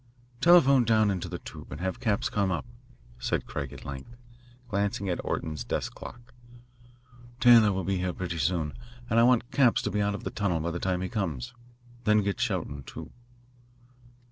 "Telephone down into the tube and have Capps come up," said Craig at length, glancing at Orton's desk clock. "Taylor will be here pretty soon, and I want Capps to be out of the tunnel by the time he comes. Then get Shelton, too."